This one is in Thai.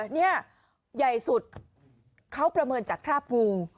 นี่ใหญ่สุดเขาประเมินจากคราบงู